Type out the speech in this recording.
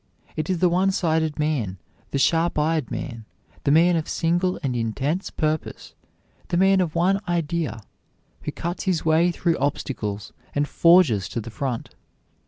It is the one sided man, the sharp eyed man, the man of single and intense purpose, the man of one idea, who cuts his way through obstacles and forges to the front.